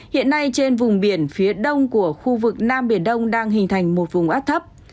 hiện nay trên vùng biển phía đông của khu vực nam biển đông đang hình thành một vùng áp thấp